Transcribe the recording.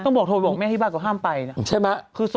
ต้องโทรไปบอกแม่ที่บ้านก็ห้ามไปนะ